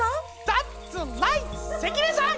ザッツライト関根さん！